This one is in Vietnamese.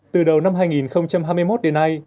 từ đầu năm hai nghìn hai mươi một đến nay